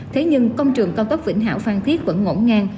thế nhưng công trường cao tốc vĩnh hảo phan thiết vẫn ngổn ngang